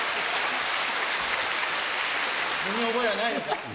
身に覚えはないのか？